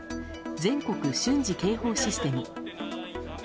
・全国瞬時警報システム。